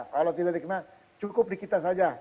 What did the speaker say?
kalau tidak dikenal cukup di kita saja